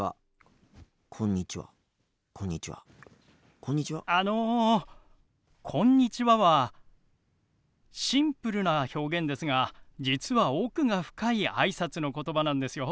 「こんにちは」はシンプルな表現ですが実は奥が深いあいさつの言葉なんですよ。